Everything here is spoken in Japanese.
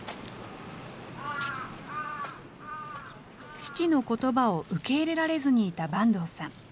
父のことばを受け入れられずにいた坂東さん。